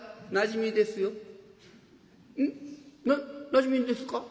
なじみですか？」。